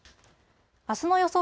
あすの予想